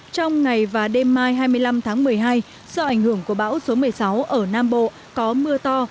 trong ngày và đêm mai hai mươi năm tháng một mươi hai do ảnh hưởng của bão số một mươi sáu ở nam bộ có mưa to